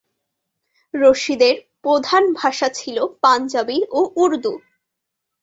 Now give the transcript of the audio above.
রশিদের প্রধান ভাষা ছিল পাঞ্জাবি ও উর্দু।